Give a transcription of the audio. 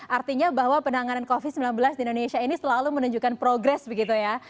artinya bahwa penanganan covid sembilan belas di indonesia ini selalu menunjukkan progres begitu ya